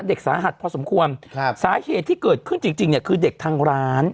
เด็กสาหัสพอสมควรครับสาเหตุที่เกิดขึ้นจริงจริงเนี่ยคือเด็กทางร้าน